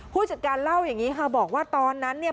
ผู้จัดการเล่าอย่างนี้ค่ะบอกว่าตอนนั้นเนี่ย